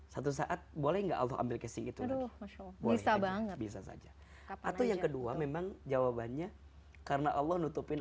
jadu hisab eyeshadow brennan bisa saja atau yang kedua memang jawabannya karena allah nutupin